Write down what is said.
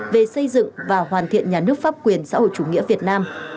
về xây dựng và hoàn thiện nhà nước pháp quyền xã hội chủ nghĩa việt nam